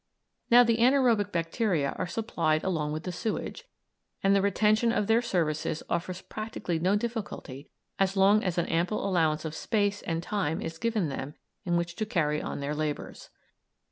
Now the anaërobic bacteria are supplied along with the sewage, and the retention of their services offers practically no difficulty as long as an ample allowance of space and time is given them in which to carry on their labours.